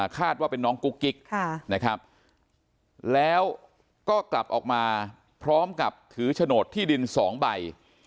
ว่าเป็นน้องกุ๊กกิ๊กนะครับแล้วก็กลับออกมาพร้อมกับถือโฉนดที่ดิน๒ใบ